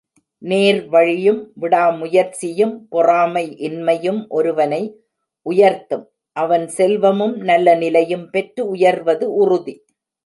நேர்வழியும் விடாமுயற்சி யும் பொறாமை இன்மையும் ஒருவனை உயர்த்தும் அவன் செல்வமும் நல்ல நிலையும் பெற்று உயர்வது உறுதி.